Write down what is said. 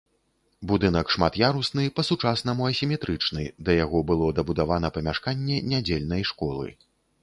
Будынак шмат'ярусны, па-сучаснаму асіметрычны, да яго было дабудавана памяшканне нядзельнай школы.